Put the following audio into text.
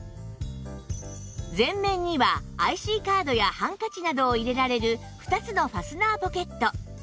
前面には ＩＣ カードやハンカチなどを入れられる２つのファスナーポケット